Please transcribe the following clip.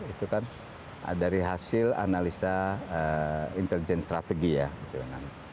itu kan dari hasil analisa intelijen strategi ya